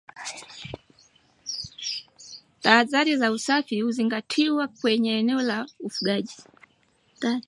Tahadhari za usafi hazitazingatiwa kwenye eneo la ufugaji